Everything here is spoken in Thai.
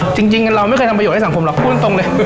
จริงเราไม่เคยทำประโยชนให้สังคมหรอกพูดตรงเลย